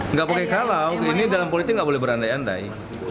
nggak pakai kalau ini dalam politik nggak boleh berandai andai